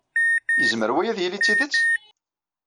Yezmer waya ad yili d tidet?